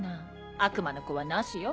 悪魔の子はなしよ。